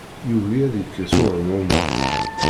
Yugi ad yekkes uɣemɣum-a.